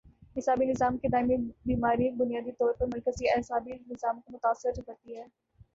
اعصابی نظام کی دائمی بیماری بنیادی طور پر مرکزی اعصابی نظام کو متاثر کرتی ہے